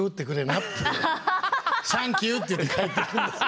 「サンキュー！」って言って帰っていくんですよ。